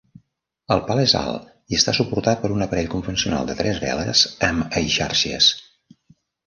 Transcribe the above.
El pal és alt i està suportat per un aparell convencional de tres veles amb eixàrcies.